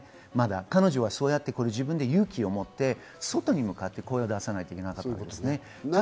彼女はそうやって勇気を持って、外に向かって声を出さなきゃいけなかったわけです。